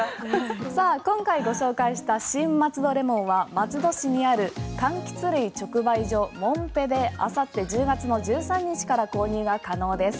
今回ご紹介した新松戸レモンは松戸市にある柑橘類直売所ＭＯＮＰＥであさって１０月の１３日から購入が可能です。